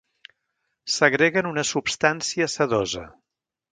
Segreguen una substància sedosa.